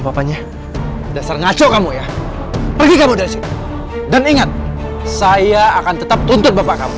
bapaknya dasar ngaco kamu ya pergi kamu dari situ dan ingat saya akan tetap tuntut bapak kamu